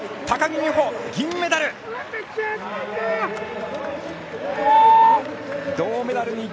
高木美帆、銀メダル！